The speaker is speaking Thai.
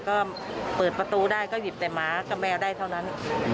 ก็เปิดประตูได้ก็หยิบแต่หมากับแมวได้เท่านั้น